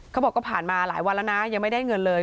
เขาบอกก็ผ่านมาหลายวันแล้วนะยังไม่ได้เงินเลย